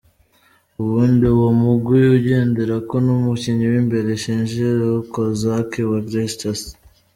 Uwundi uwo mugwi ugenderako n'umukinyi w'imbere, Shinji Okazaki wa Leicester.